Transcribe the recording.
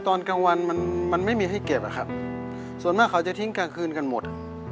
ตอนกลางวันมันมันไม่มีให้เก็บอะครับส่วนมากเขาจะทิ้งกลางคืนกันหมด